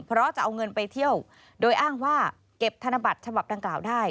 เพราะจะเอาเงินไปเที่ยวโดยอ้างว่าเก็บธนบัตรฉบับดังกล่าวได้